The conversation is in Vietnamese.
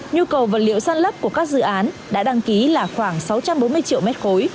nhu cầu vật liệu sàn lấp của các dự án đã đăng ký là khoảng sáu trăm bốn mươi triệu m ba